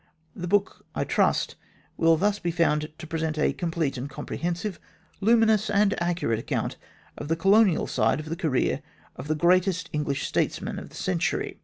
The book, I trust, will thus be found to present a complete and comprehensive, luminous and accurate account of the Colonial side of the career of the greatest English states man of the century.